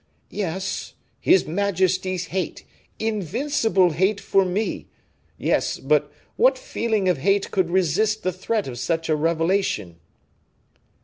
"Yes, his majesty's hate, invincible hate for me; yes, but what feeling of hate could resist the threat of such a revelation?"